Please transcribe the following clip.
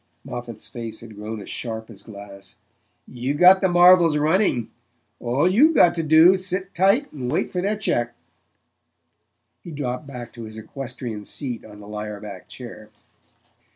Moffatt's face had grown as sharp as glass. "You've got the Marvells running. All you've got to do's to sit tight and wait for their cheque." He dropped back to his equestrian seat on the lyre backed chair.